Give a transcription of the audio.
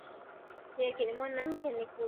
Mimi ninaandika kwa utaratibu